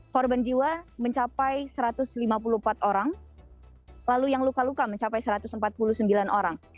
korban jiwa mencapai satu ratus lima puluh empat orang lalu yang luka luka mencapai satu ratus empat puluh sembilan orang